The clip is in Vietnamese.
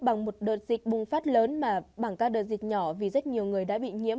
bằng một đợt dịch bùng phát lớn mà bảng các đợt dịch nhỏ vì rất nhiều người đã bị nhiễm